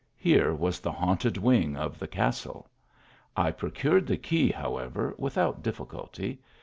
Here was the haunted wing of the castle. I procured the key, however, without difficulty.